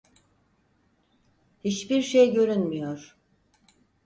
Hiçbir şey görünmüyor.